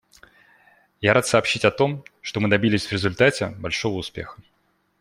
Я рад сообщить о том, что мы добились в результате большого успеха.